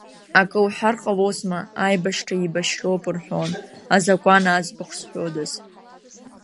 Акы уҳәар ҟалозма, аибашьра еибашьроуп рҳәон, азакәан аӡбахә зҳәодаз!